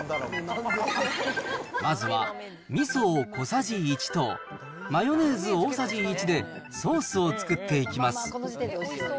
まずは、みそを小さじ１と、マヨネーズ大さじ１でソースを作っていきます。